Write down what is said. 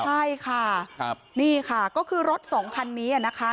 ใช่ค่ะนี่ค่ะก็คือรถสองคันนี้นะคะ